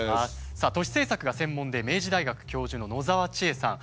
さあ都市政策が専門で明治大学教授の野澤千絵さん。